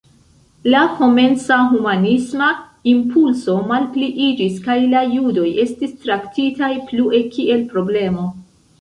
La komenca humanisma impulso malpliiĝis kaj la judoj estis traktitaj plue kiel „problemo”.